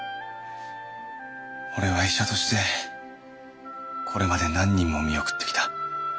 俺は医者としてこれまで何人も見送ってきた。